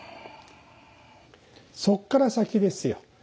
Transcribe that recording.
そこから先ですよ。